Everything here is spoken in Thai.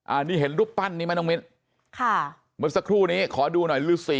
อันนี้เห็นรูปปั้นนี้ไหมน้องมิ้นค่ะเมื่อสักครู่นี้ขอดูหน่อยฤษี